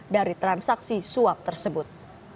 dari transaksi suap tersebut